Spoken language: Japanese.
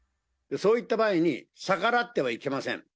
そういった場合に逆らってはいけません。